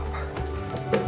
aku harus ke tempat apa